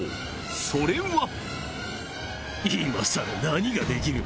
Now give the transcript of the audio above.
それは今更何ができる？